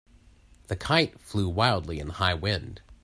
The kite flew wildly in the high wind.